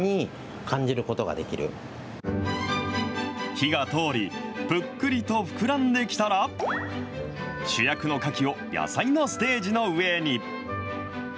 火が通り、ぷっくりと膨らんできたら、主役のかきを野菜のステージの上に。